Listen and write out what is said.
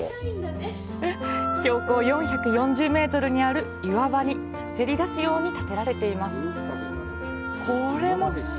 標高４４０メートルにある岩場にせり出すように建てられています。